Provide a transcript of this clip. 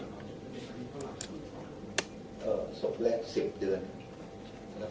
อยากทราบแต่นี้เด็กที่๒คนที่เจอที่เก็บความสื่อเหลือของเด็กอันนี้เท่าไหร่ครับ